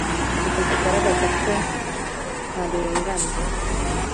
inyandiko zigaragaza ko nta karengane